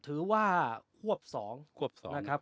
ถือว่าควบ๒ควบ๒นะครับ